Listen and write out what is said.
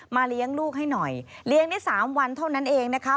เลี้ยงลูกให้หน่อยเลี้ยงได้๓วันเท่านั้นเองนะคะ